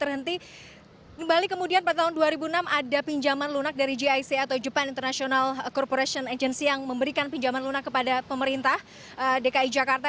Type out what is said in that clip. kembali kemudian pada tahun dua ribu enam ada pinjaman lunak dari gic atau japan international corporation agency yang memberikan pinjaman lunak kepada pemerintah dki jakarta